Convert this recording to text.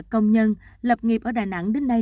công nhân lập nghiệp ở đà nẵng đến nay